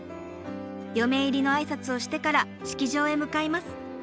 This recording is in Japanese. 嫁入りの挨拶をしてから式場へ向かいます。